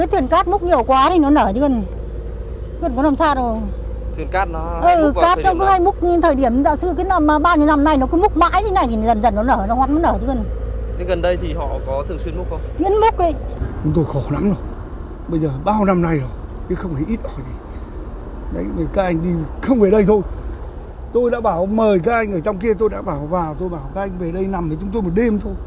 họ mời các anh ở trong kia tôi đã bảo vào tôi bảo các anh về đây nằm với chúng tôi một đêm thôi